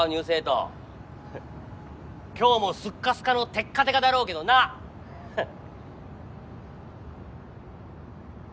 ははっ今日もすっかすかのてっかてかだろうけどなははっ。